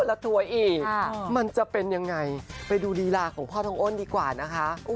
ไล่เอามันจะเป็นยังไงไปดูนี้ะของพ่อทองอ้อนดีกว่าน่ะคะ